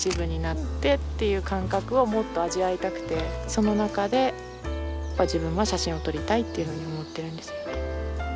その中で自分は写真を撮りたいというふうに思ってるんですよ。